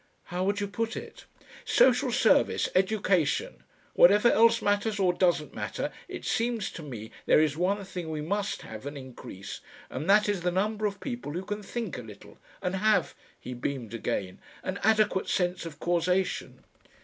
"How would you put it?" "Social Service education. Whatever else matters or doesn't matter, it seems to me there is one thing we MUST have and increase, and that is the number of people who can think a little and have" he beamed again "an adequate sense of causation."